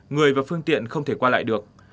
người và phương tiện không thể qua lại được